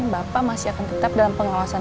bapak masih akan tetap dalam pengawasan